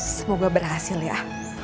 semoga berhasil ya